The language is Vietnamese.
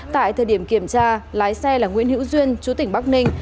tại thời điểm kiểm tra lái xe là nguyễn hữu duyên chú tỉnh bắc ninh